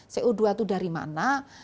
co dua itu dari mana